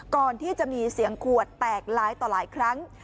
ก่อนที่จะมีเสียงขวดแตกหลายต่อหลายครั้ง